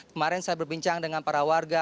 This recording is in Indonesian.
kemarin saya berbincang dengan para warga